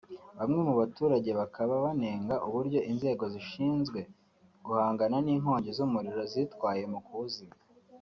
Bamwe mu baturage bakaba banenga uburyo inzego zishinzwe guhangana n’inkongi z’umuriro zitwaye mu kuwuzimya